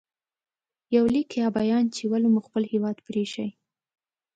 • یو لیک یا بیان چې ولې مو خپل هېواد پرې ایښی